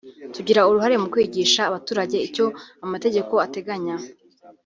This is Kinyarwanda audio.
tugira uruhare mu kwigisha abaturage icyo amategeko ateganya